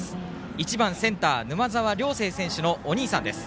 １番センターの沼澤梁成選手のお兄さんです。